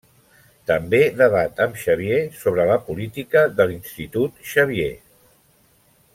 També debat amb Xavier sobre la política de l'Institut Xavier.